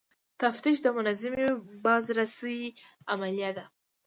تفتیش د منظمې بازرسۍ عملیه ده.